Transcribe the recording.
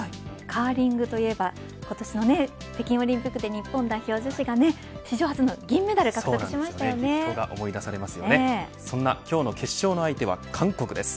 カーリングといえば今年の北京オリンピックで日本代表女子が史上初の銀メダルをそんな今日の決勝の相手は韓国です。